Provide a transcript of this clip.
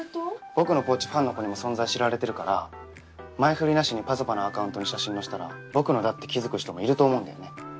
僕のポーチファンの子にも存在知られてるから前振りなしに「ｐａｚａｐａ」のアカウントに写真載せたら僕のだって気付く人もいると思うんだよね。